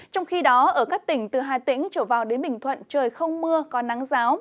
trong khi đó ở các tỉnh từ hà tĩnh trở vào đến bình thuận trời không mưa có nắng giáo